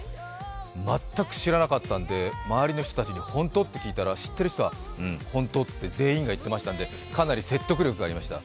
全く知らなかったので、周りの人たちに本当？と聞いたら知っている人はうん、ホントって全員が言ってましたんでかなり説得力がありました。